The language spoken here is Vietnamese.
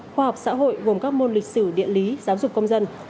khoa học xã hội gồm các môn lịch sử địa lý giáo dục công dân